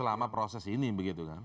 selama proses ini begitu kan